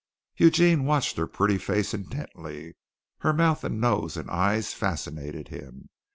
Eugene watched her pretty face intently. Her mouth and nose and eyes fascinated him.